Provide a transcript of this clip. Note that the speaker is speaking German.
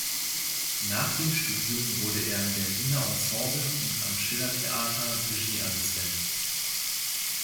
Nach dem Studium wurde er am Berliner Ensemble und am Schillertheater Regieassistent.